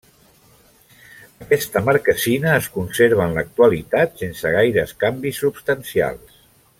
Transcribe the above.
Aquesta marquesina es conserva en l'actualitat sense gaire canvis substancials.